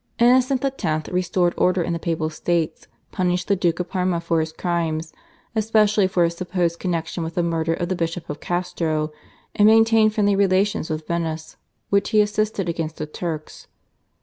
Innocent X. restored order in the Papal States, punished the Duke of Parma for his crimes, especially for his supposed connexion with the murder of the Bishop of Castro, and maintained friendly relations with Venice, which he assisted against the Turks.